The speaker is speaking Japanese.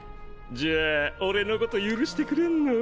じゃー俺のこと許してくれんの？